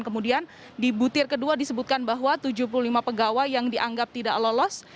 kemudian di butir kedua disebutkan bahwa tujuh puluh lima pegawai yang dianggap tidak lolos